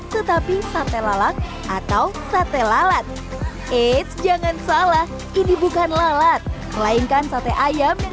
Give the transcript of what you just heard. tetapi sate lalat atau sate lalat eits jangan salah ini bukan lalat melainkan sate ayam yang